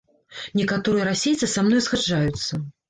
Некаторыя расейцы са мной згаджаюцца.